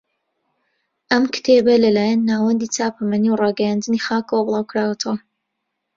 ئەم کتێبە لەلایەن ناوەندی چاپەمەنی و ڕاگەیاندنی خاکەوە بڵاو کراوەتەوە